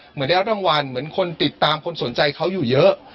เหมือนได้รับรางวัลเหมือนคนติดตามคนสนใจเขาอยู่เยอะ